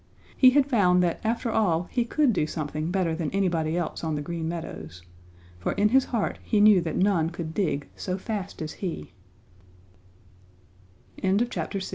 He had found that after all he could do something better than anybody else on the Green Meadows, for in his heart he knew that none could dig